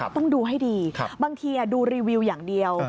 ต้องดูให้ดีบางทีดูรีวิวอย่างเดียว